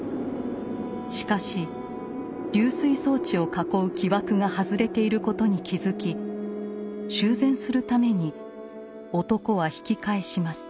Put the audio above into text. しかし溜水装置を囲う木枠が外れていることに気付き修繕するために男は引き返します。